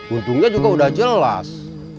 untungnya juga udah jelas